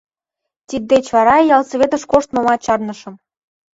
Тиддеч вара ялсоветыш коштмымат чарнышым.